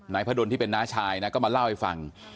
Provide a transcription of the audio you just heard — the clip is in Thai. พระดนที่เป็นน้าชายนะก็มาเล่าให้ฟัง